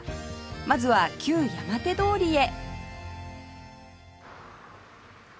まずは旧山手通りへ